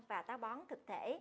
và táo bón thực thể